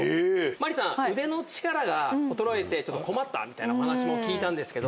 麻里さん腕の力が衰えて困ったみたいなお話も聞いたんですけど。